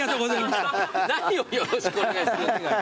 何をよろしくお願いする。